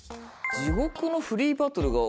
「地獄のフリーバトル」？